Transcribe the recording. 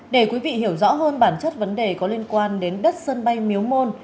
để quý vị hiểu rõ hơn bản chất vấn đề có liên quan đến đất sân bay miếu môn